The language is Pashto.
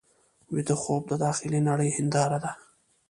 ویده خوب د داخلي نړۍ هنداره ده